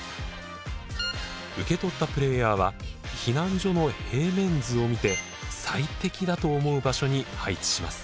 受け取ったプレイヤーは避難所の平面図を見て最適だと思う場所に配置します。